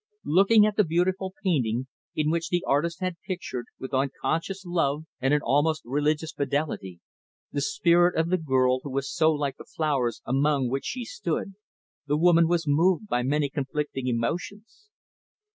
Looking at the beautiful painting, in which the artist had pictured, with unconscious love and an almost religious fidelity, the spirit of the girl who was so like the flowers among which she stood, the woman was moved by many conflicting emotions.